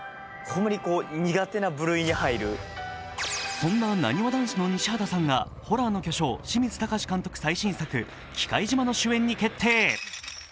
そんななにわ男子の西畑さんがホラーの巨匠、清水崇監督最新作「忌怪島」の主演に決定。